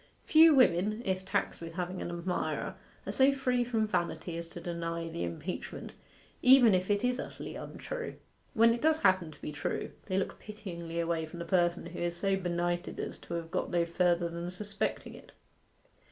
Few women, if taxed with having an admirer, are so free from vanity as to deny the impeachment, even if it is utterly untrue. When it does happen to be true, they look pityingly away from the person who is so benighted as to have got no further than suspecting it.